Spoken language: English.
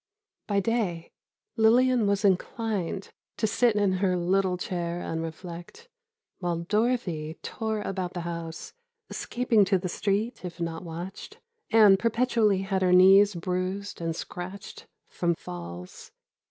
By day, Lillian was inclined to sit in her little chair and reflect, while Dorothy tore about the house, escaping to the street if not watched, and perpetually had her knees bruised and scratched, from falls.